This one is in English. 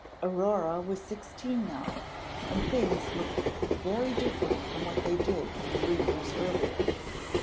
Aurore was sixteen now, and things looked very different from what they did three years earlier.